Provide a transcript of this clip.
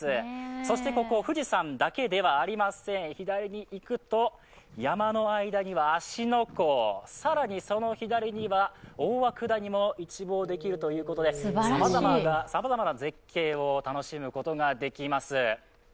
そしてここ富士山だけではありません左を向くと、山の間には芦ノ湖、更にその左には大涌谷も一望できるということでさまざまな絶景を楽しむことができます。